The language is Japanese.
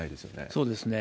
そうですね。